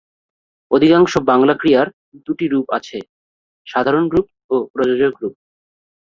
অধিকাংশ বাংলা ক্রিয়ার দুটি রূপ আছে: সাধারণ রূপ ও প্রযোজক রূপ।